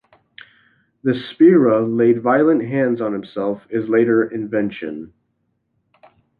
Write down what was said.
That Spiera laid violent hands on himself is later invention.